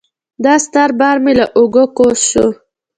دا ستر بار مې له اوږو کوز شو.